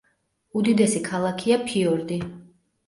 უდიდესი ქალაქია ფიორდი.